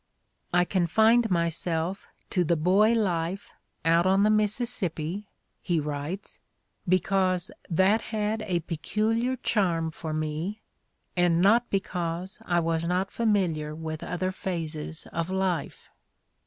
"I confined myself to the boy life out on the Missis sippi," he writes, "because that had a peculiar cfi&rm for me, and not because I was not familiar with other phases of life.